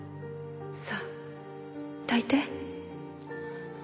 さぁ抱いて。